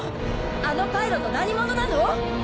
あのパイロット何者なの？